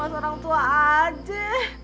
bikin cemas orang tua aja